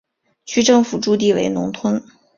区政府驻地为农通。